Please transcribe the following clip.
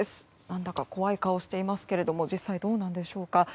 何だか怖い顔をしていますが実際どうなんでしょうか。